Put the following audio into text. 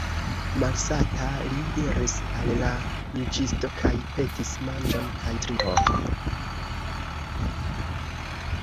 Malsata li iris al la juĝisto kaj petis manĝon kaj trinkon.